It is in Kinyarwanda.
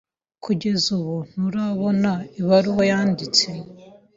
Kugeza ubu ntiturabona ibaruwa yanditse.